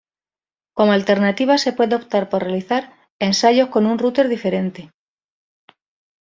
Como alternativa se puede optar por realizar ensayos con un router diferente.